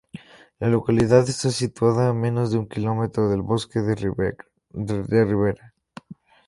La localidad está situada a menos de un kilómetro del bosque de ribera.